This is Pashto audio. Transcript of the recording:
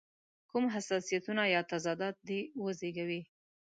کوم حساسیتونه یا تضادات دې وزېږوي.